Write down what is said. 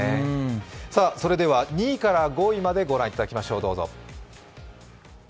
それでは、２位から５位までご覧いただきましょう。